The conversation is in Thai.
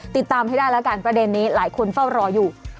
ติดตามให้ได้แล้วกันประเด็นนี้หลายคนเฝ้ารออยู่